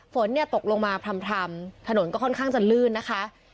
ฝนเนี่ยตกลงมาพร่ำถนนก็ค่อนข้างจะลื่นนะคะ